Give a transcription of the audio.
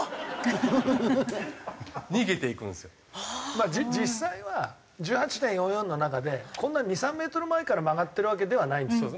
まあ実際は１８．４４の中でこんな２３メートル前から曲がってるわけではないんですよ。